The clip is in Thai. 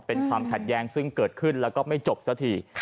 เป็นความขัดแย้งซึ่งเกิดขึ้นแล้วก็ไม่จบสักที